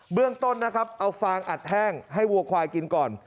เรื่องต้นนะครับเอาฟางอัดแห้งให้วัวควายกินก่อน